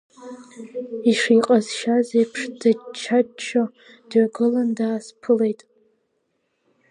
Ишиҟазшьаз еиԥш, дычча-ччо, дҩагылан даасԥылеит.